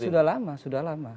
sudah lama sudah lama